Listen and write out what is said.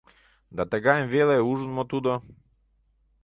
Да тыгайым веле ужын мо тудо?